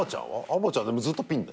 あばちゃんずっとピン？